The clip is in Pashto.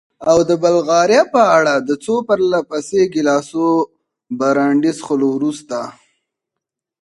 او د بلغاریا په اړه؟ د څو پرله پسې ګیلاسو برانډي څښلو وروسته.